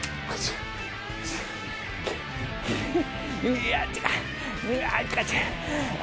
いや。